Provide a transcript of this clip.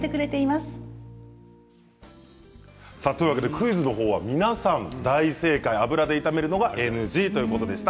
クイズの方は皆さん大正解、油で炒めるのはＮＧということでした。